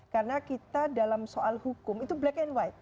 karena kita dalam soal hukum itu black and white